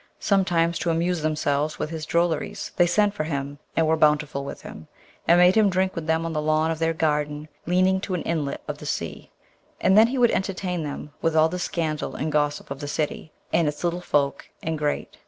Sometimes to amuse themselves with his drolleries, they sent for him, and were bountiful with him, and made him drink with them on the lawn of their garden leaning to an inlet of the sea; and then he would entertain them with all the scandal and gossip of the city, and its little folk and great.